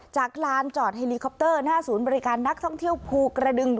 ลานจอดเฮลิคอปเตอร์หน้าศูนย์บริการนักท่องเที่ยวภูกระดึง